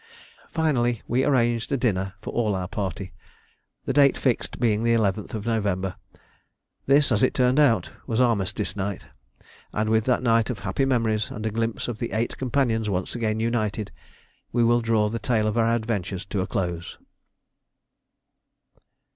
Finally, we arranged a dinner for all our party, the date fixed being 11th November. This, as it turned out, was Armistice Night, and with that night of happy memories and a glimpse of the eight companions once again united, we will draw the tale of our adventures to a close.